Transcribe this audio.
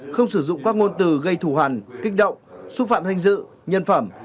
không sử dụng các ngôn từ gây thù hẳn kích động xúc phạm hình dự nhân phẩm